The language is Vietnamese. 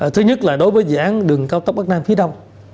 thứ nhất là đối với dự án đường cao tốc bắc nam phía đông